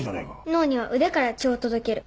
脳には腕から血を届ける。